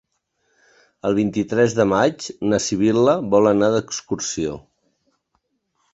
El vint-i-tres de maig na Sibil·la vol anar d'excursió.